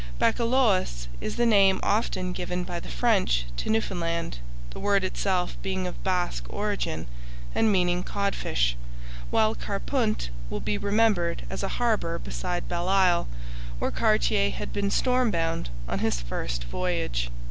Baccalaos is the name often given by the French to Newfoundland, the word itself being of Basque origin and meaning 'codfish,' while Carpunt will be remembered as a harbour beside Belle Isle, where Cartier had been stormbound on his first voyage.